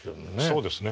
そうですね。